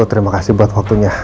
terima kasih buat waktunya